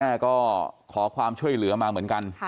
แม่ก็ขอความช่วยเหลือมาเหมือนกัน